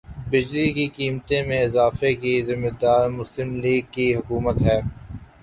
بجلی کی قیمتوں میں اضافے کی ذمہ دار مسلم لیگ کی حکومت ہے